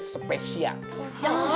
nasi goreng spesial